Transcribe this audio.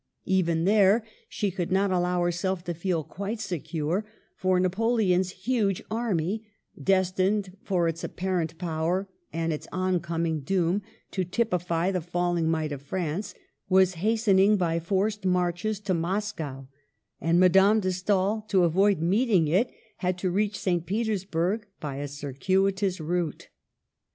Even there she could not allow herself to feel quite secure, for Napoleon's huge army — destined by its apparent power and its oncoming doom to typify the falling might of France — was hastening by forced marches to Moscow; and Madame de Stael, to avoid meeting it, had to reach St. Petersburg by a circuitous route.